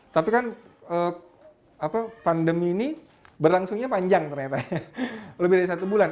tapi kan pandemi ini berlangsungnya panjang ternyata lebih dari satu bulan